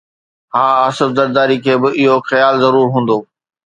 هاڻ آصف زرداري کي به اهو خيال ضرور هوندو